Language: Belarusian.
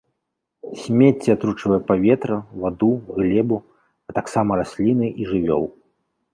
Смецце атручвае паветра, ваду, глебу, а таксама расліны і жывёл.